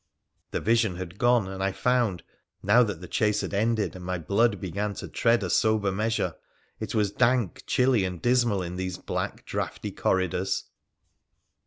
The vision had gone, and I found, now that the chase had ended, and my blood began to tread a sober measure, it was dank, chilly, and dismal in these black draughty corridors.